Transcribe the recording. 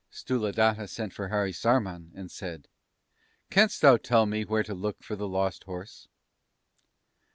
Sthuladatta sent for Harisarman, and said: "'Canst thou tell me where to look for the lost horse?'